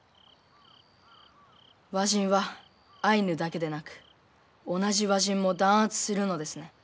和人はアイヌだけでなく同じ和人も弾圧するのですね。